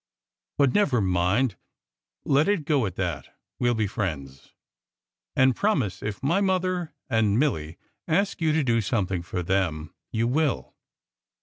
But never mind. Let it go at that. We ll be friends. And promise, if my mother and Milly ask you to do something for them, you will."